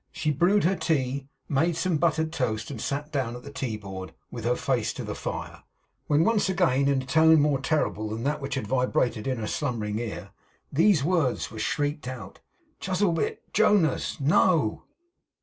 She brewed her tea; made some buttered toast; and sat down at the tea board, with her face to the fire. When once again, in a tone more terrible than that which had vibrated in her slumbering ear, these words were shrieked out: 'Chuzzlewit! Jonas! No!